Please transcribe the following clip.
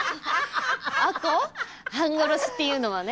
亜子半殺しっていうのはね